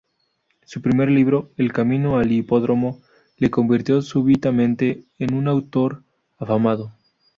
Su primer libro, "El camino al hipódromo", le convirtió súbitamente en un autor afamado.